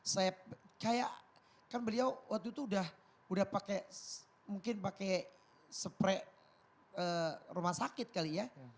saya kayak kan beliau waktu itu udah pakai mungkin pakai spray rumah sakit kali ya